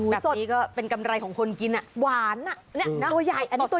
แบบนี้ก็เป็นกำไรของคนกินอ่ะหวานอ่ะ